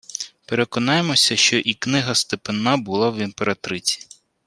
Переконаймося, що і «Книга степенна…» була в імператриці: